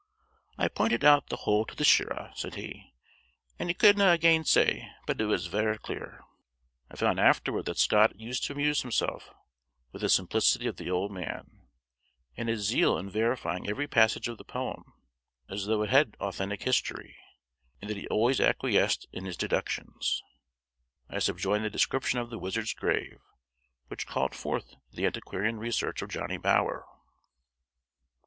"I pointed out the whole to the shirra," said he, "and he could na' gainsay but it was varra clear." I found afterward that Scott used to amuse himself with the simplicity of the old man, and his zeal in verifying every passage of the poem, as though it had authentic history, and that he always acquiesced in his deductions. I subjoin the description of the wizard's grave, which called forth the antiquarian research of Johnny Bower.